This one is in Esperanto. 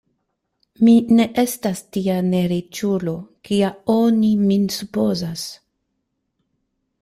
Mi ne estas tia neriĉulo, kia oni min supozas.